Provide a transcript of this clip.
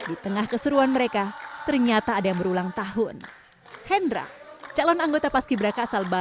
inilah dia tampilan baru para calon anggota paski braka